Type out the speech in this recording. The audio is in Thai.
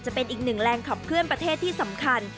จะเป็นอีกหนึ่งแรงขับเคลื่อนประเทศที่สำคัญ